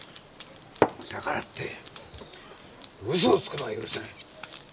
だからってうそをつくのは許せない。